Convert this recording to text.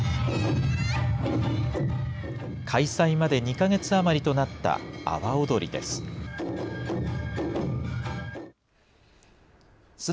開催まで２か月余りとなった阿波おどりです。